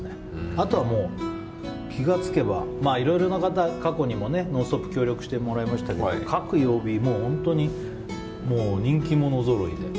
あとは、気が付けばいろいろな方に過去にも「ノンストップ！」に協力してもらいましたが各曜日、本当に人気者ぞろいで。